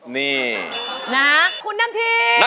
นี่นักคุณนังที